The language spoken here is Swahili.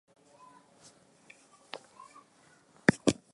Jeshi la Jamhuri ya kidemokrasia ya Kongo linaishutumu Rwanda kwa kuunga mkono.